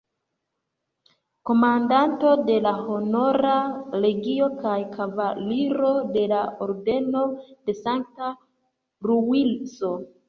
Komandanto de la Honora Legio kaj Kavaliro de la Ordeno de Sankta Luiso.